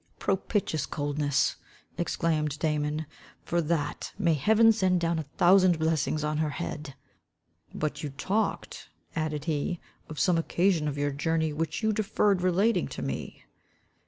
"Propitious coldness!" exclaimed Damon, "for that may heaven send down a thousand blessings on her head!" "But you talked," added he, "of some occasion of your journey which you deferred relating to me."